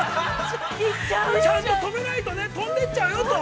◆ちゃんととめないと、飛んでっちゃうよ。